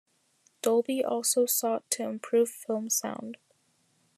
Dolby also sought to improve film sound.